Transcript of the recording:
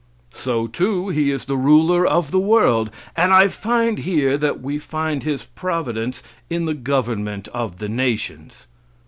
So, too, He is the ruler of the world, and I find here that we find His providence in the government of the nations.